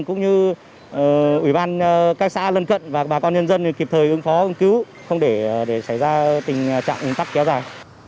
các xã lân cận và bà con nhân dân kịp thời ứng phó ứng cứu không để xảy ra tình trạng tắc kéo dài